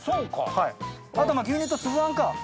あと牛乳と粒あんか。